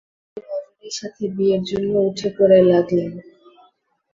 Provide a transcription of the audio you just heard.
তিনি রজনীর সাথে বিয়ের জন্য উঠে-পড়ে লাগলেন।